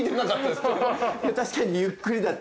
確かにゆっくりだった。